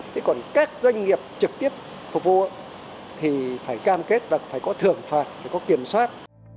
thế còn các doanh nghiệp trực tiếp phục vụ thì phải cam kết và phải có thưởng phạt phải có kiểm soát